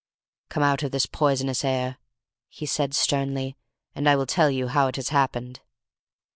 "Come out of this poisonous air," he said sternly, "and I will tell you how it has happened."